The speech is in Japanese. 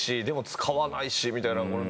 でも使わないしみたいな。